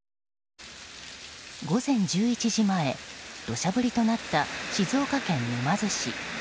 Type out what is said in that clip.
午前１１時前、土砂降りとなった静岡県沼津市。